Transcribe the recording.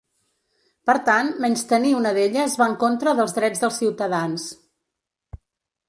Per tant, menystenir una d’elles va en contra dels drets dels ciutadans.